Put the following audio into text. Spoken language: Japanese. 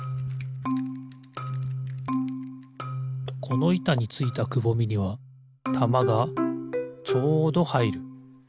このいたについたくぼみにはたまがちょうどはいる。